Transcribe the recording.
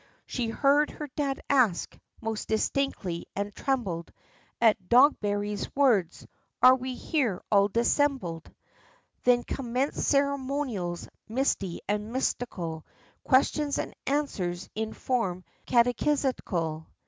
She heard her dad ask, most distinctly and trembled At Dogberry's words "Are we here all dissembled?" Then commenced ceremonials misty and mystical, Questions and answers in form catechistical.